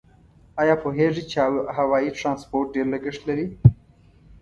آیا پوهیږئ چې هوایي ترانسپورت ډېر لګښت لري؟